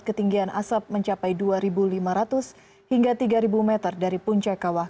ketinggian asap mencapai dua lima ratus hingga tiga meter dari puncak kawah